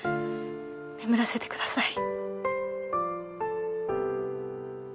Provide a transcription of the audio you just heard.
眠らせてください。